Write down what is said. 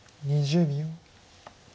２０秒。